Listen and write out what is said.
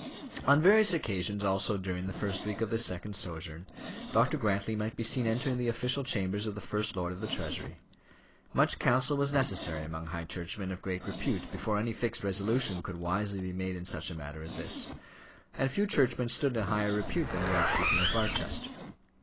On various occasions also during the first week of this second sojourn, Dr. Grantly might be seen entering the official chambers of the First Lord of the Treasury. Much counsel was necessary among high churchmen of great repute before any fixed resolution could wisely be made in such a matter as this; and few churchmen stood in higher repute than the Archdeacon of Barchester.